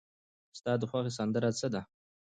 ستا د خوښې سندره څه ده؟